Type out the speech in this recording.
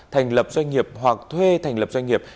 thành lập doanh nghiệp hoặc thuê thành lập doanh nghiệp